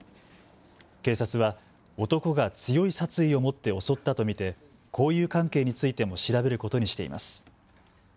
警察は男が強い殺意を持って襲ったと見て交友関係についても調べることにしています。